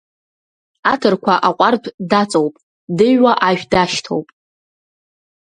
Аҭырқәа аҟәардә даҵоуп, дыҩуа ажә дашьҭоуп.